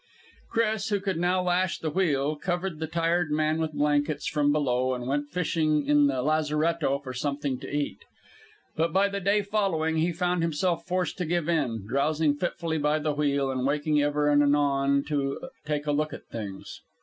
Chris, who could now lash the wheel, covered the tired man with blankets from below, and went fishing in the lazaretto for something to eat. But by the day following he found himself forced to give in, drowsing fitfully by the wheel and waking ever and anon to take a look at things.